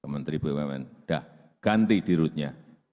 kementerian bumn dah ganti di rutenya